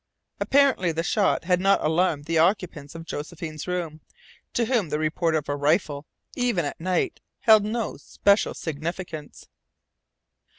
Apparently the shot had not alarmed the occupants of Josephine's room, to whom the report of a rifle even at night held no special significance.